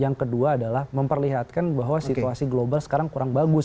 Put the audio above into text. yang kedua adalah memperlihatkan bahwa situasi global sekarang kurang bagus